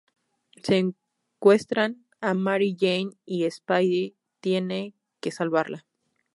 Secuestran a Mary Jane y Spidey tiene que salvarla.